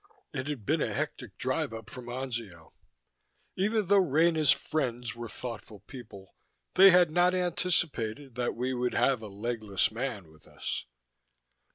It had been a hectic drive up from Anzio. Even though Rena's "friends" were thoughtful people, they had not anticipated that we would have a legless man with us.